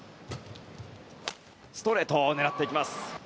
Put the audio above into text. ストレートを狙っていきます。